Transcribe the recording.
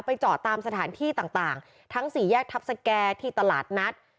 จอดตามสถานที่ต่างทั้งสี่แยกทัพสแก่ที่ตลาดนัด